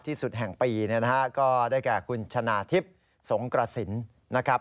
ที่สุดแห่งปีเนี่ยนะฮะก็ได้แก่คุณชนะทิพย์สงกระสินนะครับ